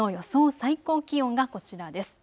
最高気温がこちらです。